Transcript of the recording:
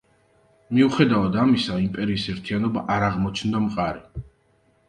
მიუხედავად ამისა, იმპერიის ერთიანობა არ აღმოჩნდა მყარი.